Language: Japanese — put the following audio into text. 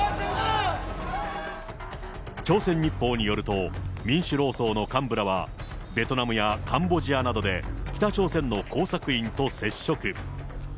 朝鮮日報によると、民主労総の幹部らは、ベトナムやカンボジアなどで、北朝鮮の工作員と接触。